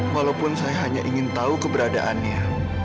walaupun saya hanya ingin tahu keberadaannya